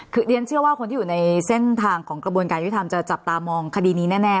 คือเรียนเชื่อว่าคนที่อยู่ในเส้นทางของกระบวนการยุทธรรมจะจับตามองคดีนี้แน่